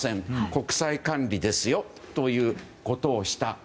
国際管理ですよということをした。